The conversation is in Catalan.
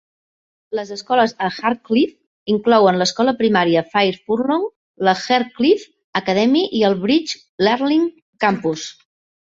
Les escoles a Hartcliffe inclouen l'escola primària Fair Furlong, la Hareclive Academy i el Bridge Learning Campus.